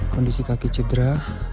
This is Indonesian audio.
kondisi kaki cedera